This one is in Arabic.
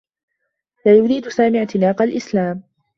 لا يريد سامي اعتناق الإسلام.